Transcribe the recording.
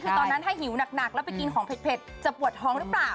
คือตอนนั้นถ้าหิวหนักแล้วไปกินของเผ็ดจะปวดท้องหรือเปล่า